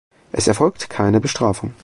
Es erfolgt keine Bestrafung.